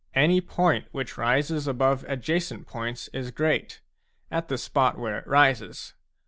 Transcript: Any point which rises above adjacent points is great, at the spot where it rises.